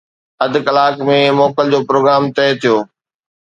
اڌ ڪلاڪ ۾ موڪل جو پروگرام طئي ٿيو